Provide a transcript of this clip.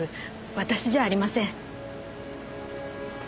私じゃありません。